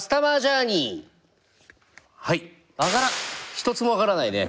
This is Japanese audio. １つも分からないね。